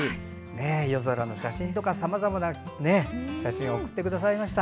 夜空の写真とかさまざまな写真を送ってくださいました。